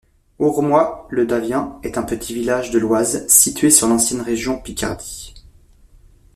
Ormoy le davien est un petit village de l'Oise situé sur l'ancienne région Picardie.